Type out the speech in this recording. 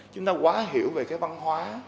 chúng ta quá hiểu về cái văn hóa